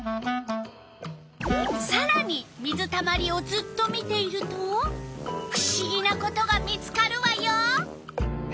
さらに水たまりをずっと見ているとふしぎなことが見つかるわよ！